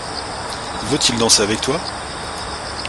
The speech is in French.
Veut-il danser avec toi?